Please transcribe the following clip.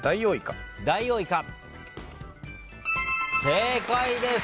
正解です。